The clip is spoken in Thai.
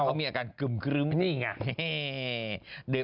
เกิน๑๐๐มิลลิกรัมเปอร์เซ็นต์